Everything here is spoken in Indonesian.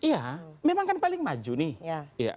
ya memang kan paling maju nih